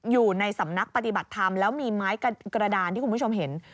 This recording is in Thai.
อยู่ในสำนักปฏิบัติธรรมแล้วมีไม้กระดานที่คุณผู้ชมเห็น